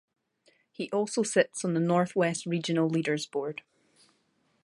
He also sits on the North West Regional Leaders Board.